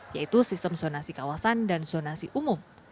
yaitu sistem zonasi kawasan dan zonasi umum